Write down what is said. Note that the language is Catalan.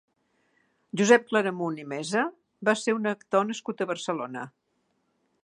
Josep Claramunt i Mesa va ser un actor nascut a Barcelona.